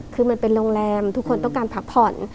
คือมันเป็นโรงแรมทุกคนต้องการพักผ่อน